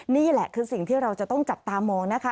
นี่แหละคือสิ่งที่เราจะต้องจับตามองนะคะ